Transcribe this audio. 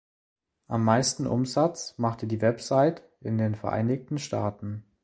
Am meisten Umsatz machte die Website in den Vereinigten Staaten.